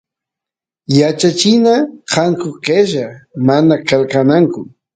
yachachina kanku qella mana qelqananku